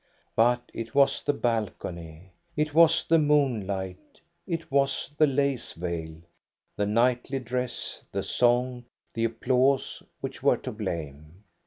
But it was the balcony, it was the moonlight, it was the lace veil, the knightly dress, the song, the applause, which were to blame.